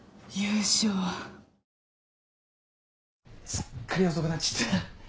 すっかり遅くなっちった。